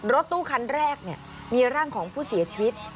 รถตู้คันแรกมีร่างของผู้เสียชีวิต